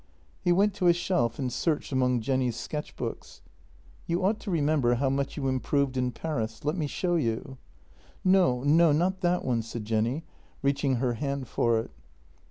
He went to a shelf and searched among Jenny's sketch books :" You ought to remember how much you improved in Paris — let me show you." " No, no, not that one," said Jenny, reaching her hand for it.